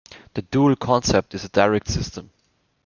The dual concept is a direct system.